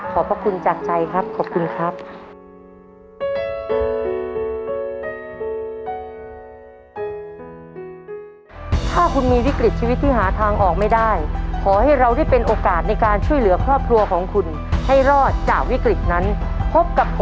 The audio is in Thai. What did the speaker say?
พระคุณจากใจครับขอบคุณครับ